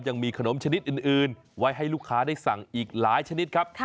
ยังมีขนมชนิดอื่นไว้ให้ลูกค้าได้สั่งอีกหลายชนิดครับ